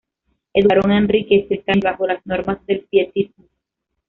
Educaron a Enrique estrictamente bajo las normas del pietismo.